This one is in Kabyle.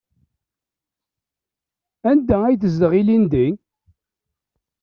Anda ay tezdeɣ ilindi?